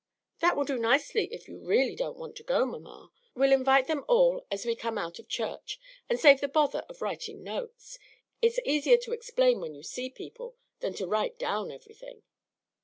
"That will do nicely if you really don't want to go, mamma. We'll invite them all as we come out of church, and save the bother of writing notes. It's easier to explain when you see people than to write down everything."